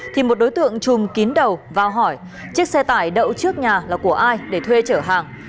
thì một đối tượng chùm kín đầu vào hỏi chiếc xe tải đậu trước nhà là của ai để thuê chở hàng